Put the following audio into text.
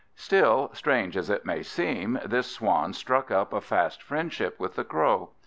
Still, strange as it may seem, this Swan struck up a fast friendship with the Crow.